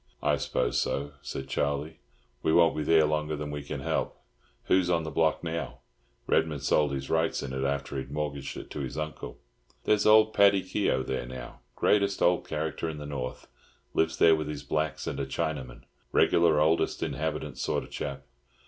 "I suppose so," said Charlie. "We won't be there longer than we can help. Who's on the block now? Redman sold his rights in it after he'd mortgaged it to my uncle." "There's old Paddy Keogh there now—greatest old character in the North. Lives there with his blacks and a Chinaman. Regular oldest inhabitant sort of chap.